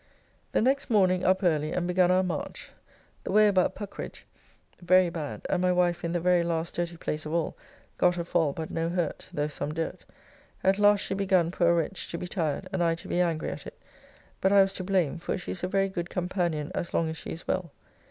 The next morning up early and begun our march; the way about Puckridge [Puckeridge, a village in Hertfordshire six and a half miles N.N.E, of Ware.] very bad, and my wife, in the very last dirty place of all, got a fall, but no hurt, though some dirt. At last she begun, poor wretch, to be tired, and I to be angry at it, but I was to blame; for she is a very good companion as long as she is well.